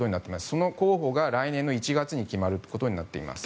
その候補が来年の１月に決まることになっています。